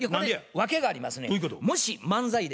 訳がありますねや。